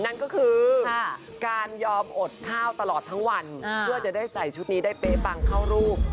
นั่นก็คือการยอมอดข้าวตลอดทั้งวันเพื่อจะได้ใส่ชุดนี้ได้เป๊ปังเข้ารูป